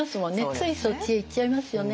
ついそっちへいっちゃいますよね。